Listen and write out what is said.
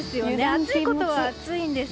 暑いことは暑いんです。